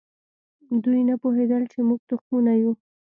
دوی نه پوهېدل چې موږ تخمونه یو.